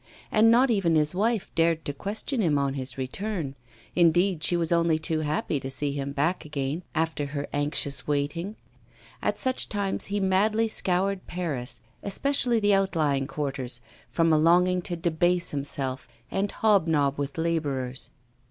And not even his wife dared to question him on his return indeed, she was only too happy to see him back again after her anxious waiting. At such times he madly scoured Paris, especially the outlying quarters, from a longing to debase himself and hob nob with labourers.